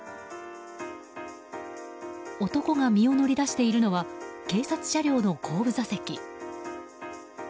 男が身を乗り出しているのは警察車両の後部座席。